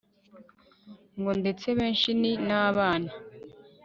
Ngo ndetse benshi ni nabana